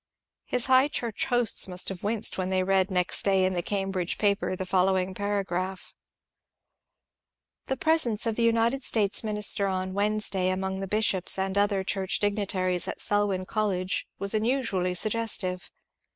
His High Church hosts must have winced when they read next day in the Cambridge paper the following paragraph :— The presence of the United States Minister on Wednesday among the bishops and other church dignitaries at Selwyn College was unusually suggestive.